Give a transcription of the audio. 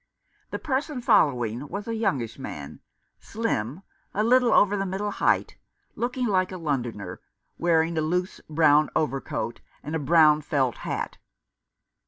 The person following was a youngish man, slim, a little over the middle height, looking like a Londoner, wearing a loose brown overcoat and a brown felt hat.